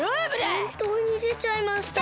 ほんとうにでちゃいました！